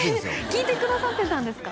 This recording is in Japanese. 聞いてくださってたんですか？